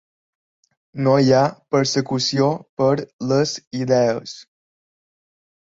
No hi ha persecució per les idees.